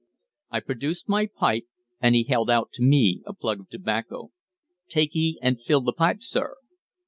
I produced my pipe, and he held out to me a plug of tobacco. "Take he an' fill th' pipe, sir."